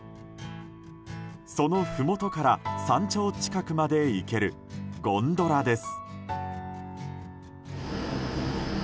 そのふもとから山頂近くまで行けるゴンドラです。